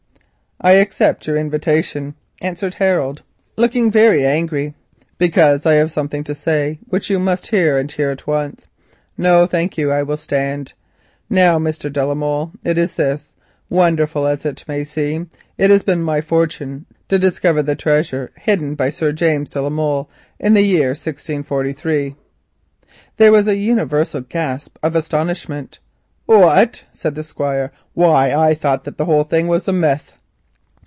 "I accept your invitation," answered Harold, looking very angry, "because I have something to say which you must hear, and hear at once. No, thank you, I will stand. Now, Mr. de la Molle, it is this, wonderful as it may seem. It has been my fortune to discover the treasure hidden by Sir James de la Molle in the year 1643!" There was a general gasp of astonishment. "What!" exclaimed the Squire. "Why, I thought that the whole thing was a myth."